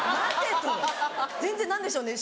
全然何でしょうね